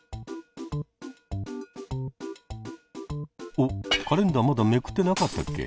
おっカレンダーまだめくってなかったっけ？